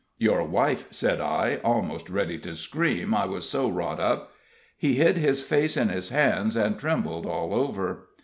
"Your wife," said I, almost ready to scream, I was so wrought up. He hid his face in his hands, and trembled all over.